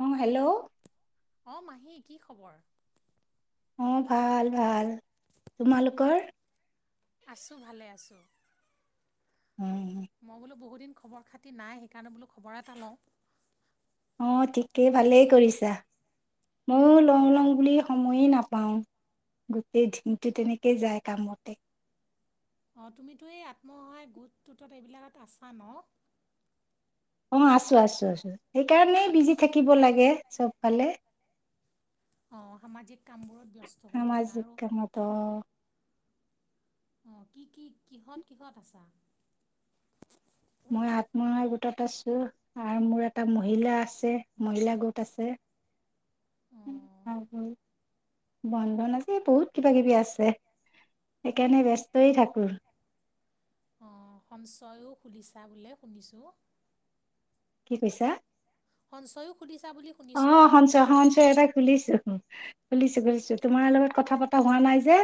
অহ hello'-. অ' মাহী কি খবৰ? অ ভাল ভাল তোমালোকৰ। আছোঁ ভালে আছোঁ-। মই বোলো বহুতদিন খবৰ খাতি নাই সেইকাৰণে বোলো খবৰ এটা লওঁ-। অঁ ঠিকেই ভালেই কৰিছা ময়ো লওঁ লওঁ বুলি সময়েই নাপাওঁ-। গোটেই দিনটো তেনেকেই যায় কামতে-। অ তুমিতো এই আত্মসহায় গোটটোটত এইবিলাকত আছা ন? অ আছোঁ আছোঁ আছো সেইকাৰণেই বিজি থাকিব লাগে সবফালে-। অ সামাজিক কামবোৰত ব্যস্ত হৈ থকা আৰু-। অ কি কি কিহত কিহত আছা? মই আত্মসায়ক গোটত আছোঁ আৰু মোৰ এটা মহিলা আছে মহিলা গোট আছে। বন্ধন আছে বহুত কিবা কিবি আছে-। সেইকাৰণে ব্যস্তই থাকোঁ-। অ সঞ্চয়ো খুলিছা বোলে শুনিছোঁ-। কি কৈছা? সকোট। অ সঞ্চয় সঞ্চয় এটা খুলিছোঁ খুলিছোঁ খুলিছোঁ তোমাৰ লগত কথা প-। টা হোৱা নাই যে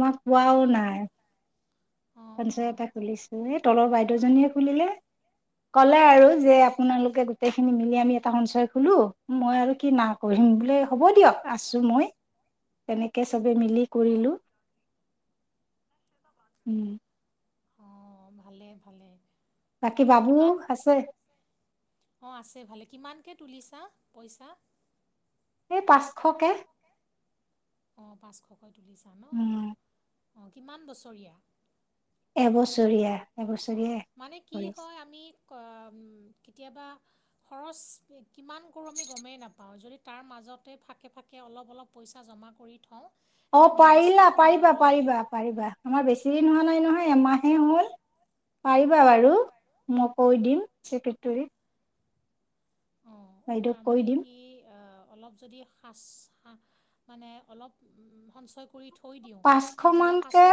মই কোৱাও নাই-। সঞ্চয় এটা খুলিছোঁ এই তলৰ বাইদেউজনীয়ে খুলিলে-। কলে আৰু যে আপোনালোকে গোটেই খিনি মিলি আমি এটা সঞ্চয় খুঁলো-। মই আৰু কি না কৰিম বোলে হ'ব দিয়ক আছোঁ মই- তেনেকে চবে মিলি কৰিলোঁ -। অ ভালে ভালে-। তাকে কিমান অ আছে ভালে কিমান-। কেনেকে তুলিছা পইচা? এই পাঁচশকে- অ পাঁচশকৈ তুলিছা ন কিমান বছৰীয়া? এবছৰীয়া এবছৰ। মানে কি হয় আমি উ- কেতিয়াবা খৰচ কিমান কৰোঁ আমি গমেই নাপাও, যদি তাৰ মাজতে ফাকে ফাকে - তাকে অলপ অলপ পইচা জমা কৰি থওঁ- অ পাৰিলা পাৰিবা পাৰিবা পাৰিবা আমাৰ বেছি দিন হোৱা নাই নহয়। এমাহে হ'ল, পাৰিবা বাৰু মই কৈ দিম ছেক্ৰেটেৰীক। অ তাৰমানানে কি অ অলপ যদি সাজ মানে অলপ সঞ্চয় কৰি পাঁচশ মানকে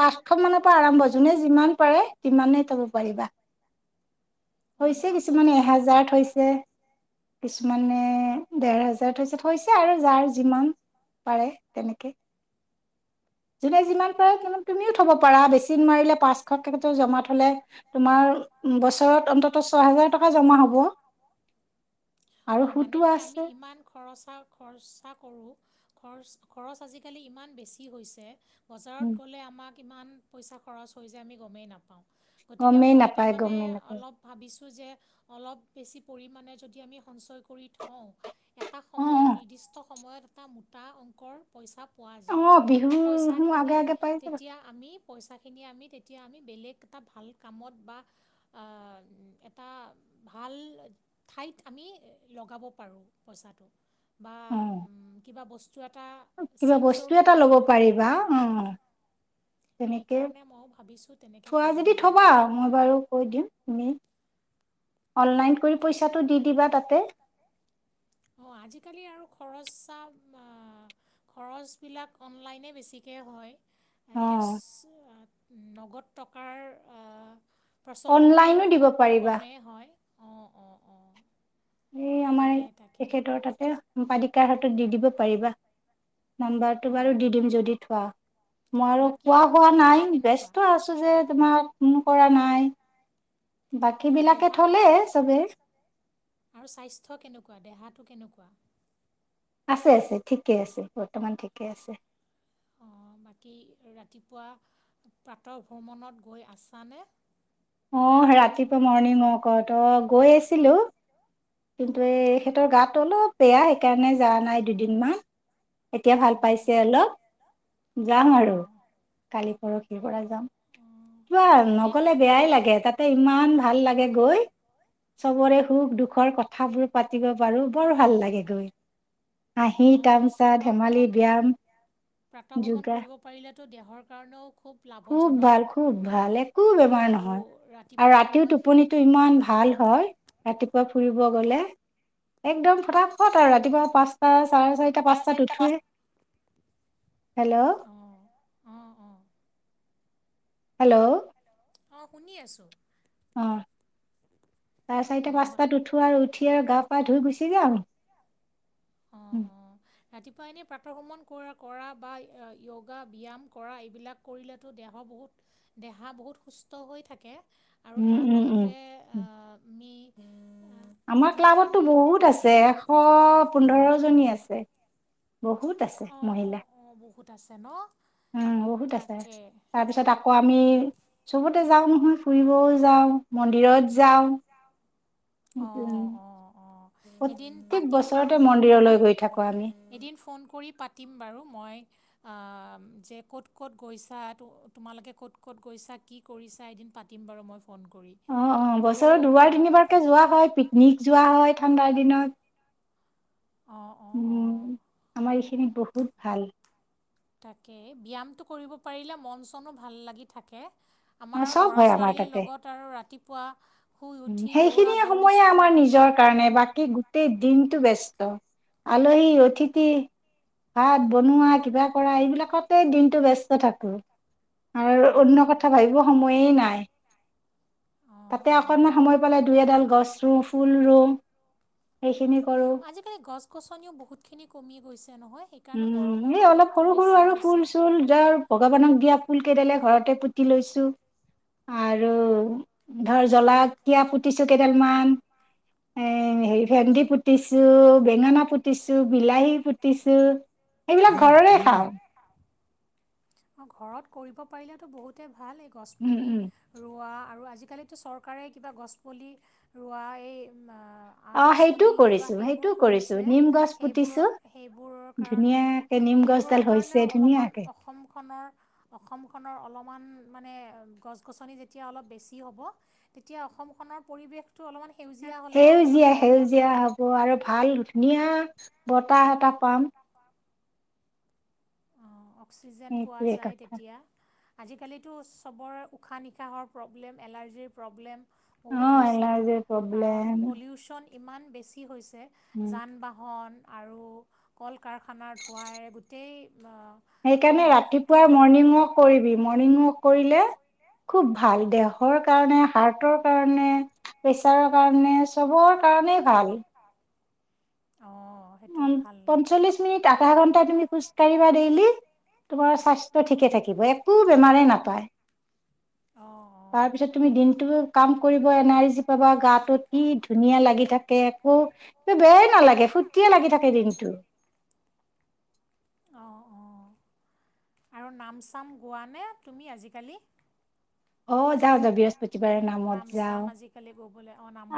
পাঁচশ মানৰ পৰা আৰম্ভ যোনে যিমান পাৰে সিমানেই। তুমি পাৰিবা। থৈছে কিছুমানে এহেজাৰ থৈছে কিছুমানে দহ হেজাৰ থৈছে আৰু যাৰ যিমান পাৰে তেনেকে যোনে যিমান পাৰে কিমান তুমিও থব পাৰা বেছি নোৱাৰিলে পাঁচশকে জমা থলে তোমাৰ। বছৰত অন্তত ছয় হেজাৰ টকা জমা হ'ব। অ মানে কি আমি ইমান খৰচ খৰচা কৰো। খৰচ খৰচ আজিকালি ইমান বেছি হৈছে বজাৰত গ'লে আমাক। কিমান পইচা খৰচ হৈ যায় আমি গমেই নাপাওঁ। গমেই নাপায় গমেই নাপায়। অলপ ভাবিছোঁ যে অলপ বেছি পৰিমাণে যদি আমি সঞ্চয় কৰি থওঁ এটা সময়ত নিৰ্দিষ্ট সময়ত এটা মোটা অংকৰ পইচা পোৱা যায় সেই পইচাখিনি তেতিয়া আমি পইচাখিনি আমি তেতিয়া আমি বেলেগ এটা ভাল কামত বা এটা ভাল ঠাইত আমি লগাব পাৰোঁ পইচাটো বা কিবা বস্তু এটা চিন স্বৰূপে ক্ৰয় কৰিব পাৰো। তেনেকে থোৱা যদি থবা মই বাৰু কৈ দিম। অনলাইন কৰি পইচাটো দি দিবা তাতে। অ আজিকালি আৰু খৰচা আহ খৰচবিলাক অনলাইনে বেছিকে হয়। কেছ নগদ টকাৰ অ প্ৰচলনটো খুব কমেই হয়। এই আমাৰ তেখেতৰ তাতে সম্পাদিকাৰ হাতত দি দিব পাৰিবা। নাম্বাৰটো বাৰু দি দিম যদি থোৱা। মই আৰু কোৱা হোৱা নাই ব্যস্ত আছো যে তোমাৰ ফোন কৰা নাই। বাকী বিলাকে থলে চবে। আৰু স্বাস্থ্য কেনেকুৱা দেহাটো কেনেকুৱা? আছে আছে ঠিকে আছে বৰ্তমান ঠিকে আছে। অ [inaudible] বাকী ৰাতিপুৱা প্ৰাতঃ ভ্ৰমণত গৈ আছানে? অ ৰাতিপুৱা মৰ্ণিং ৱাকত অ গৈ আছিলোঁ। কিন্তু এখেতৰ গাতটো অলপ বেয়া সেইকাৰণে যোৱা নাই দুদিনমান। এতিয়া ভাল পাইছে অলপ যাম আৰু কালি। কিবা নগলে বেয়াই লাগে তাতে ইমান ভাল লাগে। গৈ, চবৰে সুখ দুখৰ কথাবোৰ পাতিব পাৰো। বৰ ভাল লাগে গৈ। হাঁহি তামচা ধেমালি ব্যায়াম যোগা। টো দেহৰ কাৰণেও খুব ভাল খুব ভাল একো বেমাৰ নহয় আৰু ৰাতিও টোপনিটো ইমান ভাল হয় ৰাতিপুৱা ফুৰিব গলে। একদম ফটাফট আৰু ৰাতিপুৱা পাঁচটা চাৰে চাৰিটা পাঁচটাত উঠোৱে। হেল্ল' হেল্ল' অ শুনি আছো অ চাৰিটা পাঁচটাত উঠো আৰু উঠি আৰু গা পা ধুই গুচি যাম। ৰাতিপুৱা এনে প্ৰাৰ্থভ্ৰমন কৰা কৰা বা য়োগা ব্যায়াম কৰা এইবিলাক কৰিলেতো দেহত বহুত দেহা বহুত সুস্থ হৈ থাকে। আৰু তাৰ লগতে আমি আমাৰ ক্লাবততো বহুত আছে এশ পোন্ধৰ জনী আছে। বহুত আছে মহিলা। উম বহুত আছে তাৰপিছত আকৌ আমি চবতে যাও ন মই ফুৰিবও যাওঁ মন্দিৰত যাওঁ। উম। অ। এদিন পাতিম বাৰু ফোন কৰি এদিন ফোন কৰি পাতিম বাৰু মই। অ। যে ক'ত ক'ত গৈছা তোমালোকে ক'ত ক'ত গৈছা কি কৰিছা এদিন পাতিম বাৰু মই। ফোন কৰি। অ বছৰৰ দুবাৰ তিনিবাৰকে যোৱা হয় পিকনিক যোৱা হয় ঠাণ্ডাৰ দিনত। উম আমাৰ এইখিনি বহুত ভাল। তাকে ব্যায়ামটো কৰিব পাৰিলে মন চনো ভাল লাগি থাকে। আমাৰ ল'ৰা ছোৱালীৰ লগত আৰু ৰাতিপুৱা। সেইখিনিয়ে সময়ে আমাৰ নিজৰ কাৰণে বাকী গোটেই দিন তো ব্যস্ত আলহী অতিথি ভাত বনোৱা কিবা কৰা এইবিলাকতেই দিনটো ব্যস্ত থাকোঁ। আৰু অন্য কথা ভাবিব সময়েই নাই তাতে আকৌ অকণমান সময় পালে দুই এডাল গছ ৰুওঁ ফুল ৰুম সেইখিনিত আজিকালি গছ গছনিও বহুত খিনি কমি গৈছে নহয়। উম এই অলপ সৰু সৰু আৰু ফুল চুল যাৰ ভগৱানক দিয়াত। ফুল কেইডাল ঘৰতে পুতি লৈছো, আৰু ধৰ জলা কিয়া টিচু কেইডাল মান, এ। হে ভেন্দি পুতিছো বেঙেনা পুতিছো বিলাহী পুতিছোঁ। সেইবিলাক ঘৰৰে খাওঁ। অ ঘৰত কৰিব পাৰিলে বহুতে ভাল এই গছ পুলি ৰোৱা আৰু আজি। আজিকালিতো চৰকাৰে কিবা গছ পুলি ৰোৱা এই আঁচনি কিবা সেইবোৰ কৰিছে সেইবোৰৰ সেইবোৰৰ কাৰণে সেইবোৰৰ কাৰণেও অলপমান অসম খনৰ অসমখনৰ অলপমান মানে গছ গছনি যেতিয়া অলপ বেছি হ'ব তেতিয়া অসমখনৰ পৰিৱেশটো অলপমান সেউজীয়া সেউজীয়া হ'ব আৰু ভাল ধুনীয়া ব তাহ এটা পাম। অক্সিজেন পোৱা যায় তেতিয়া। আজিকালিতো চবৰে উশাহ নিশাহৰ প্ৰব্লেম এলাৰ্জিৰ প্ৰব্লেম। বহুত হৈছে কাৰণ পলিউচন ইমান বেছি হৈছে। জান বাহন আৰু কল কৰ্ষনা ধুয়াই গোটেই অ সেইকাৰণে ৰাতিপুৱাই মৰ্ণিং ৱাক কৰিবি মৰ্ণিং ৱক কৰিলে কৰিলে। খুব ভাল দেহৰ কাৰণে হাৰ্টৰ কাৰণে প্ৰেছাৰৰ কাৰণে চবৰ কাৰণে। ভাল। উম পঞ্চল্লিশ মিনিট আধা ঘন্টা তুমি খোজ কাঢ়িবা দেইলি। তোমাৰ স্বাস্থ্য ঠিকে থাকিব একো বেমাৰে নাপায়। অ অ। তাৰপিছত তুমি দিনটো কাম কৰিব এনাৰ্জি পাবা গাটো কি ধুনীয়া লাগি থাকে একো। বেয়াই নালাগে ফূৰ্তিয়ে লাগি থাকে দিনটো। অ অ আৰু নাম চাম গোৱানে তুমি আজিকালি। অ যাওঁ বৃহস্পতিবাৰে নামত যাওঁ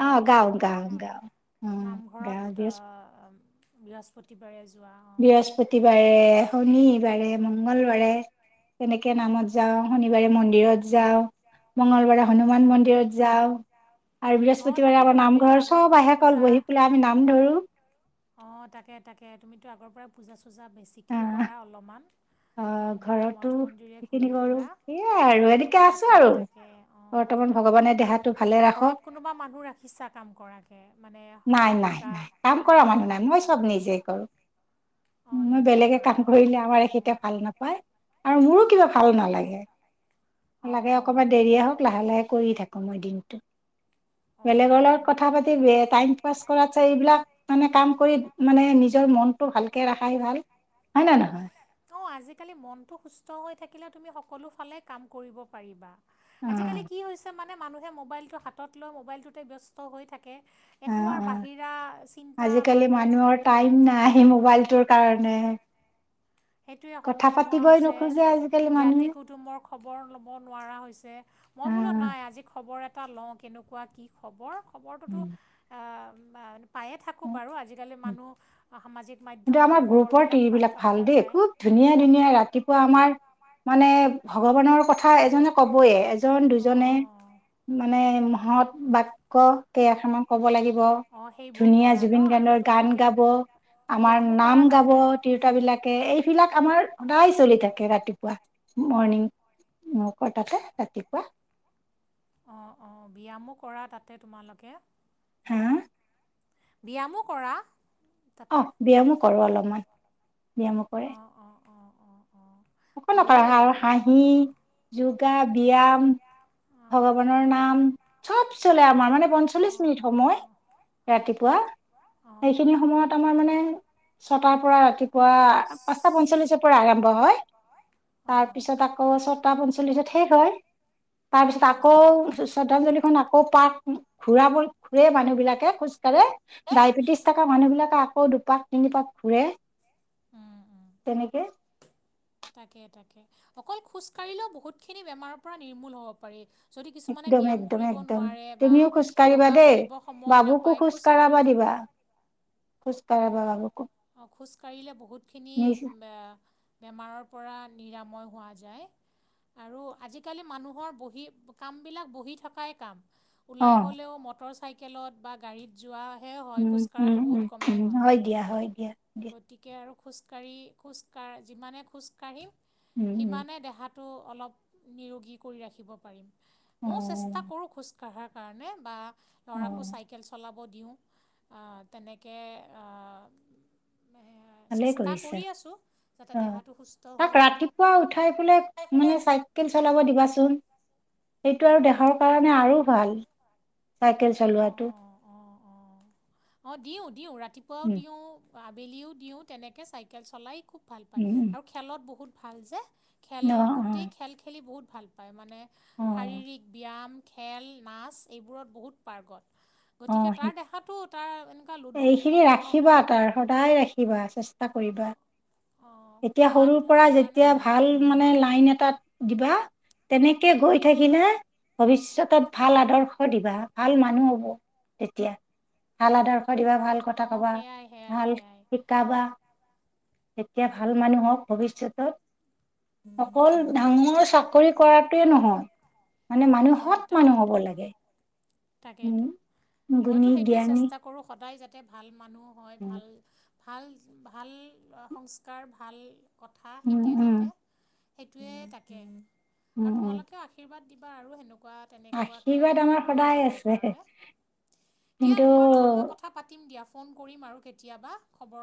অ গাও গাও গাও নামঘৰত বৃহস্পতিবাৰে যোৱা। বৃহস্পতিবাৰে শনিবাৰে মংগলবাৰে। তেনেকে নামত যাওঁ শনিবাৰে মন্দিৰত যাওঁ মংঙলবাৰে হনুমান মন্দিৰত যাও আৰু বৃহস্পতিবাৰে আমাৰ নামঘৰ চব আহে কল বহি পেলাই আমি নাম ধৰোঁ অঁ তাকে তাকে তুমিতো আগৰ পৰাই পূজা চূজা বেছিকেই কৰা অলপমান অ ঘৰতো সেইখিনি কৰো সেইয়াই আৰু এনেকে আছো আৰু বৰ্তমান ভগৱানে দেহাটো ভালে ৰাখক কোনোবা মানুহ ৰাখিছা কাম কৰাকে নাই নাই নাই কাম কৰা মানুহ নাই মই চব নিজেই কৰো। উ বেলেগে কাম কৰিলে আমাৰ এখেতে ভাল নাপায় আৰু মোৰো। কিবা ভাল নালাগে লাগে অকবমান দেৰিয়ে হওক লাহে লাহে কৰি থাকো মই দিনটো বেলেগৰ লগত কথা পাতিবি। [unintelligible] কৰা এইবিলাক মানে কাম কৰি মানে নিজৰ মনটো ভালকে ৰাখাই ভাল। হয় না নহয়। খালি মনটো সুস্থ হৈ থাক। [unintelligible] তুমি সকলো ফলে কাম কৰিব পাৰিবা। আজিকালি কি হৈছে মানে। মানে মানুহে মোবাইলটো হাতত লৈ মোবাইলটোতে ব্যস্ত হৈ থাকে। একো আৰু বাহিৰা চিন্তা মানে। উ কথা পাতিবই নোখোজে আজি জ্ঞাতি কুটুম্বৰ খবৰ ল'ব নোৱাৰা হৈছে মই বোলো নাই আজি খবৰ এটা লওঁ কেনেকুৱা কি হব খবৰটো টো পাইএ থাকো বাৰু আজিকালি মানুহ সামাজিক মাধ্যমতে খবৰবিলাক পাই থকা দেই খুব ধুনীয়া ধুনীয়া ৰাতিপুৱা আমাৰ মানে ভগৱানৰ কথা এজনে ক'বয়ে এজন দুজনে মানে সঁত বাক্য কেইখনান ক'ব লাগিব ধুনীয়া জুবিন গান ৰ গান গাব আমাৰ নাম গাব তিৰোতা বিলাকে এইবিলাক আমাৰ সদায় চলি থাকে ৰাতিপুৱা [unintelligible] মৰ্ কতে ৰাতিপুৱা অঁ অ ব্যায়ামো কৰা তাতে তোমালোকে ব্যায়ামো কৰা আহ ব্যায়ামো কৰো অলপমান ব্যয়ামো কৰে অকলোক হাঁহি যোগা ব্যায়াম ভগৱানৰ নাম চব চলে আমাৰ মানে পঞ্চল্লিশ মিনিট সময় ৰাতিপুৱা সেইখিনি সময়ত আমাৰ মানে ছটাৰ পৰা ৰাতিপুৱা পাঁচটা পঞ্চল্লিশৰ পৰা আৰম্ভ হয়। তাৰ পিছত আকৌ ছটা পঞ্চল্লিশত শেষ হয়। তাৰ পিছত আকৌ শ্ৰদ্ধাঞ্জলিখন আকৌ কৌ পাত ঘূৰাবোৰ ঘূৰে মানুহ বিলাকে খোজ কঢ় ডায়েবেটিছ থকা মানুহবিলাকে আকৌ দুপাক তিনি পাক ঘুৰে তেনেকে তাকে তাকে অকল খোজ কাঢ়িলেও বহুত খিনি বেমাৰৰ পৰা নিৰ্মূল হব পাৰি। যদি কিছুমানে ব্যায়াম কৰিব নোৱাৰে বা য়োগা কৰিব সময় নাপায় খোজকাঢ়ি [inaudible] খোচ অ খোজকাঢ়িলে বহুতখিনি বেমাৰৰ পৰা নিৰাময় হোৱা যায় আৰু আজিকালি মানুহৰ বহি কামবিলাক বহি থকাই কাম ওলাই গ'লেও মটৰ চাইকেলত বা গাড়ীত যোৱা উম উম উম উম হয় দিয়া হয় দিয়া দিয়া খোজকাঢ়ি খোজাকা যিমানে খোজকাঢ়িম সিমানে দেহাত টো অলপ নিৰোগী কৰি ৰাখিব পাৰিম ময়ো চেষ্টা কৰো খোজ কঢ়াৰ কাৰণে বা ল'ৰাকো চাইকেল চলাব দিও তেনেকে নেহে ভালেই কৰিছা অহ তাক ৰাতিপুৱা উঠাই পেলাই মানে চাই কেল চলাব দিবাচোন [inaudible] সেইটো আৰু দেহৰ কাৰণে আৰু ভাল চাইকেল চলোৱাটো অ দিওঁ দিওঁ ৰাতিপুৱাও দিওঁ আবেলিও দিওঁ তেনেকে চাইকেল চলাই খুব ভাল পায় আৰু খেলত বহুত ভাল যে খেল গোটেই খেল খেলি বহুত ভাল পায় মানে শাৰীৰিক ব্যায়াম খেল নাচ এইবোৰত বহুত পাৰ্গত গতিকে তাৰ দেখাটোত এইখিনি ৰাখিবা তাৰ সদায় ৰাখিবা চেষ্টা কৰিবা এতিয়া সৰুৰ পৰা যেতিয়া ভাল মানে লাইন এটাত দিবা তেনেকে গৈ থাকিলে ভৱিষ্যতত ভাল আদৰ্শ দিবা ভাল মানুহ হব তেতিয়া ভাল আদৰ্শ দিবা ভাল কথা কবা ভাল শিকাবা তেতিয়া ভাল মানুহক ভৱিষ্যতত অকল ডাঙৰ চাকৰি কৰাটোৱেই নহয় মানে মানুহ সৎ মানুহ হ'ব লাগে উম মইতো সেইটোৱে চেষ্টা কৰো সদায় যাতে ভাল মানুহ হয় ভাল ভাল ভাল সংস্কাৰ ভাল কথা শিকে যাতে সেইটোৱে তাকে আৰু তোমালোকেও আশীৰ্বাদ কোৱা তেনেকোৱাকে আগুৱাই যাবৰ কাৰণে দিয়া তোমাৰ লগত মই কথা পাতিম দিয়া ফোন কৰিম আৰু কেতিয়াবা খবৰ